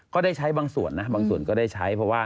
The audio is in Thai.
ก็ได้ใช้บางส่วนนะ